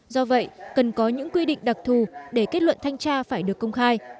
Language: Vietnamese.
do vậy cần có những quy định đặc thù để kết luận thanh tra phải được công khai